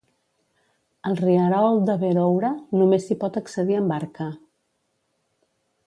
Al rierol de Berowra només s'hi pot accedir amb barca.